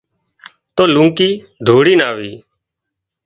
تو لونڪِي ڌوڙينَ آوي